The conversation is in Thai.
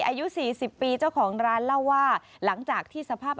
อายุ๔๐ปีเจ้าของร้านเล่าว่าหลังจากที่สภาพ